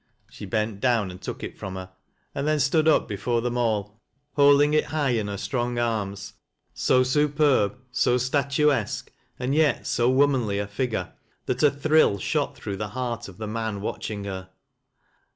She beut down and took it from her, and then stood aj before them all, holding it high in her strong arms— bo superb, so statuesque, and yet so womanly a figure, that n Hirill shot through the heart of the man watching her.